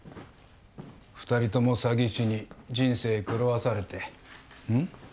二人とも詐欺師に人生狂わされてんっ？